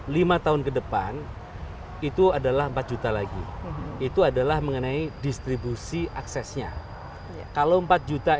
lima tahun ke depan itu adalah empat juta lagi itu adalah mengenai distribusi aksesnya kalau empat juta